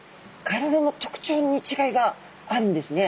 体の特徴に違いがあるんですね。